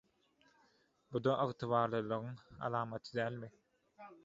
Bu-da ygtybarlylygyň alamaty dälmi?